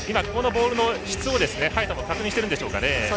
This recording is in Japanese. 今、ここのボールの質を早田も確認しているんでしょうね。